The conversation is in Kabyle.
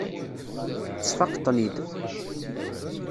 Tesfaqeḍ-ten-id.